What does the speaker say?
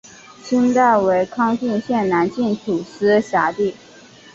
清代为康定县南境土司辖地。